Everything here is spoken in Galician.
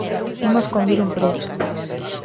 Imos convir un prezo.